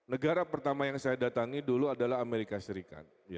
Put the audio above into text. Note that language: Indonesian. negara pertama yang saya datangi dulu adalah amerika serikat